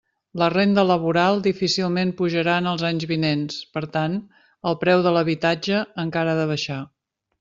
La renda laboral difícilment pujarà en els anys vinents; per tant, el preu de l'habitatge encara ha de baixar.